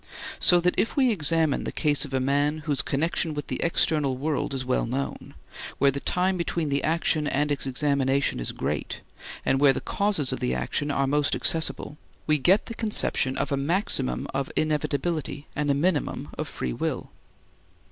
So that if we examine the case of a man whose connection with the external world is well known, where the time between the action and its examination is great, and where the causes of the action are most accessible, we get the conception of a maximum of inevitability and a minimum of free will.